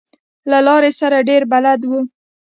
له لارې سره ډېر بلد و.